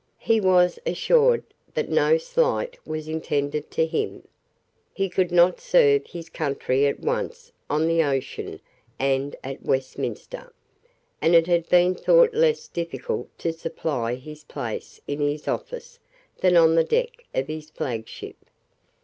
He was assured that no slight was intended to him. He could not serve his country at once on the ocean and at Westminster; and it had been thought less difficult to supply his place in his office than on the deck of his flagship.